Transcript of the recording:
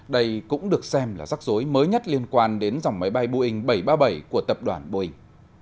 đây cũng được xem là rắc rối mới nhất liên quan đến dòng máy bay boeing bảy trăm ba mươi bảy của tập đoàn boeing